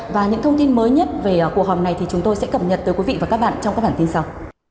và những thông tin mới nhất về cuộc họp này thì chúng tôi sẽ cập nhật tới quý vị và các bạn trong các bản tin sau